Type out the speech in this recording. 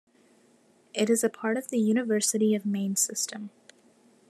It is a part of the University of Maine System.